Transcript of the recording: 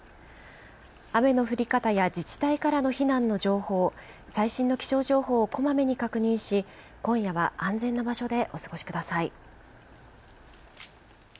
雨の降り方や自治体からの避難の情報、最新の情報を小まめに確認し、今夜は安全な場所でお過ごしください。